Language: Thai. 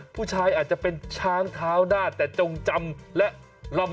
ผวัญเสียหมดแหละ